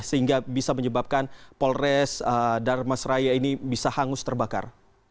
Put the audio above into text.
sehingga bisa menyebabkan polres darmas raya ini bisa hangus terbakar